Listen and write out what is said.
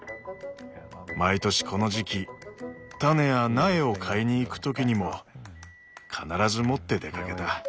毎年この時期種や苗を買いにいく時にも必ず持って出かけた。